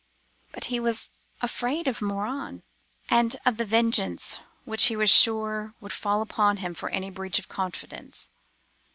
But he was afraid of Morin, and of the vengeance which he was sure would fall upon him for any breach of confidence.